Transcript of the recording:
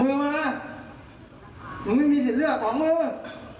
มึงเอามาไอ้